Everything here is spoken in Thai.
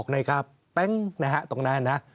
๑๖นาฬิกาแป๊งตรงนั้นนะ